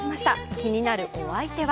気になるお相手は？